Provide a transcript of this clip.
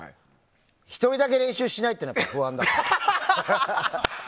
１人だけ練習しないのは不安だから。